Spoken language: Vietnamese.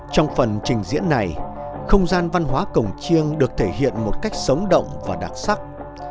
trong phần trình diễn này không gian văn hóa cổng chiêng được thể hiện một cách sống động và đặc sắc